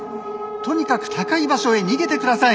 とにかく高い場所へ逃げてください。